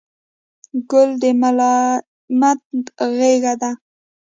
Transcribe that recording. ګل د ملایمت غېږه ده.